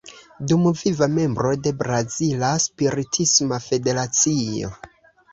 Dumviva membro de Brazila Spiritisma Federacio.